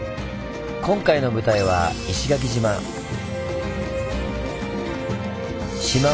今回の舞台は石垣島。